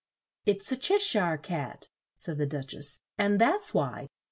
"It's a Che shire cat," said the Duch ess, "and that's why.